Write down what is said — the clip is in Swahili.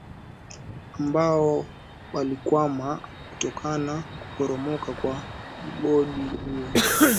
ambao walikwama kutokana kuporomoka kwa mgodi huo